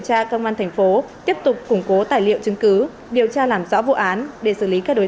tra công an thành phố tiếp tục củng cố tài liệu chứng cứ điều tra làm rõ vụ án để xử lý các đối